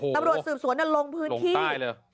ตรวจสืบสวนนั่นลงพื้นที่ลงใต้เลย